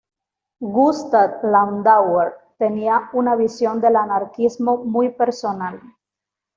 Gustav Landauer, tenía una visión del anarquismo muy personal.